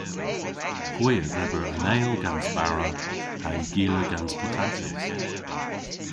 Hwi a dheber an eyl gans bara ha'y gila gans patatys.